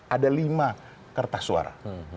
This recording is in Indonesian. ada lima kertas suara